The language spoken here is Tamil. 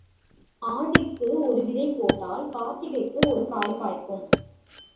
ஆடிக்கு ஒரு விதை போட்டால் கார்த்திகைக்கு ஒரு காய் காய்க்கும்.